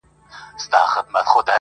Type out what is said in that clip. • هغې کافري په ژړا کي راته وېل ه.